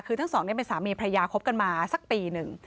คือทั้งสองเป็นสามีพระยาคบกันมาสักปีหนึ่ง